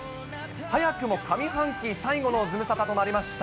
早くも上半期最後のズムサタとなりました。